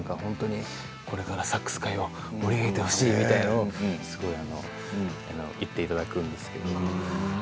これからサクッス界を盛り上げてほしいみたいなことを言っていただくんですけれど。